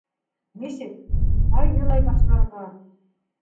Нисек, ҡайһылай башларға?